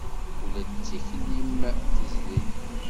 Ula d tikli-m tezleg.